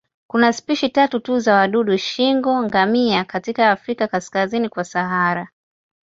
Kuna spishi tatu tu za wadudu shingo-ngamia katika Afrika kaskazini kwa Sahara.